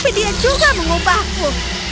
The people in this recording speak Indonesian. tapi dia juga mengubahku